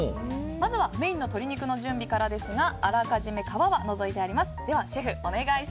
まずはメインの鶏肉の準備からですがあらかじめ皮は除いてあります。